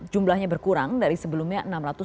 jumlahnya berkurang dari sebelumnya enam ratus tiga puluh dua